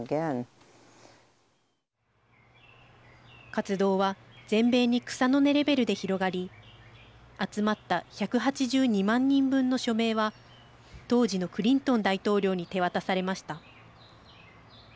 活動は全米に草の根レベルで広がり集まった１８２万人分の署名は当時のクリントン大統領に手渡されました。